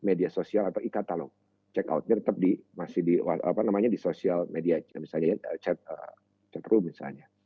di media sosial atau e katalog check out nya tetap di social media misalnya chatroom misalnya